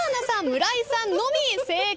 村井さんのみ正解。